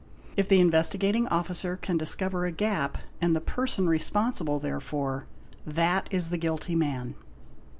If the Investigating Officer can discover a gap and the ~ person responsible therefor—that is the guilty man.